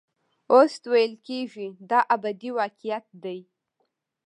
اوس ویل کېږي دا ابدي واقعیت دی.